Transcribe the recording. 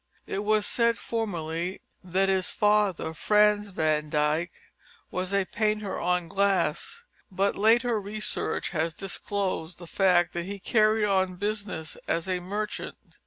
It was said formerly that his father, Frans Van Dyck, was a painter on glass, but later research has disclosed the fact that he carried on business as a merchant.